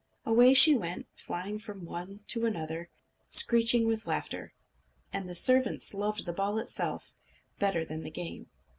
Away she went, flying from one to another, screeching with laughter. And the servants loved the ball itself better even than the game.